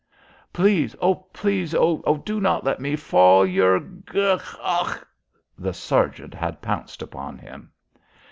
"Please, O, please, O, do not let me fall; You're gurgh ugh " The sergeant had pounced upon him.